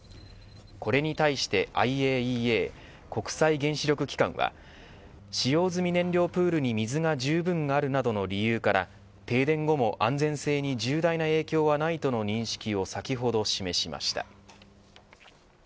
これに対してＩＡＥＡ国際原子力機関は使用済み燃料プールに水がじゅうぶんあるなどの理由から停電後も安全性に重大な影響はないとの認識を、先ほど示しました。